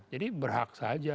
jadi berhak saja